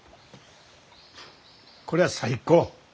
これは最高。